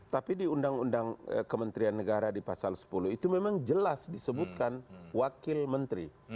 tapi di undang undang kementerian negara di pasal sepuluh itu memang jelas disebutkan wakil menteri